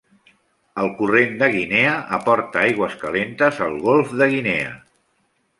El Corrent de Guinea aporta aigües calentes al Golf de Guinea.